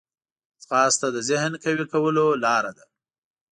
ځغاسته د ذهن قوي کولو لاره ده